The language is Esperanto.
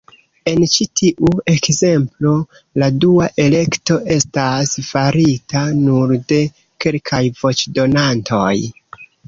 En ĉi tiu ekzemplo, la dua elekto estas farita nur de kelkaj voĉdonantoj.